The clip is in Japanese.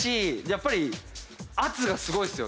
やっぱり。